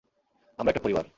আমরা একটা পরিবার।